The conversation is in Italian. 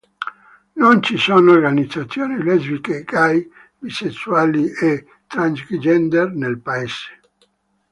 Non ci sono organizzazioni lesbiche, gay, bisessuali e transgender nel paese.